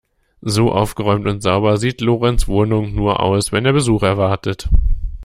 So aufgeräumt und sauber sieht Lorenz Wohnung nur aus, wenn er Besuch erwartet.